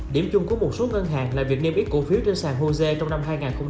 điểm chung của một số ngân hàng là việc niêm yết cổ phiếu trên sàn hosea trong năm hai nghìn hai mươi ba